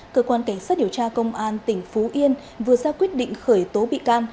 cơ quan cảnh sát điều tra công an tỉnh phú yên vừa ra quyết định khởi tố bị can